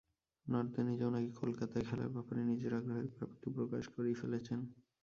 নর্দে নিজেও নাকি কলকাতায় খেলার ব্যাপারে নিজের আগ্রহের ব্যাপারটি প্রকাশ করেই ফেলেছেন।